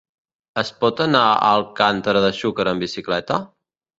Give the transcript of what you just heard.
Es pot anar a Alcàntera de Xúquer amb bicicleta?